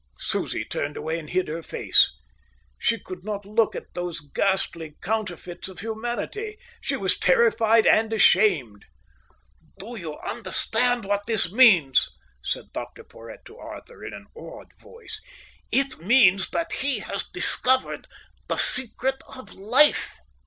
Susie turned away and hid her face. She could not look at those ghastly counterfeits of humanity. She was terrified and ashamed. "Do you understand what this means?" said Dr Porhoët to Arthur, in an awed voice. "It means that he has discovered the secret of life."